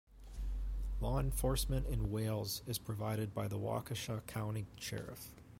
Law enforcement in Wales is provided by the Waukesha County Sheriff.